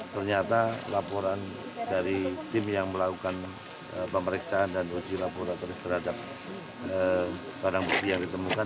ternyata laporan dari tim yang melakukan pemeriksaan dan uji laboratoris terhadap barang bukti yang ditemukan